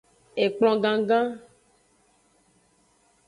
Ekplon gangan.